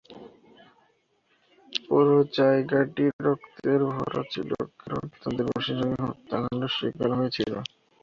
পুরো জায়গাটি রক্তের ভরা ছিল, কারণ তাদের বেশিরভাগই হত্যাকাণ্ডের শিকার হয়েছিল।